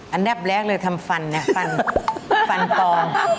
อันดับแรกเลยทำฟันเนี่ยฟันฟันตอง